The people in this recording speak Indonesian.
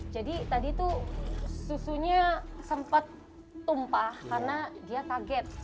jadi tadi tuh susunya sempat tumpah karena dia kaget